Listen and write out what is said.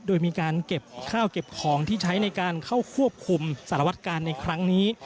โดยมีการเก็บข้าวเก็บของที่ใช้ในการเข้าควบคุมสารวัตกาลในครั้งนี้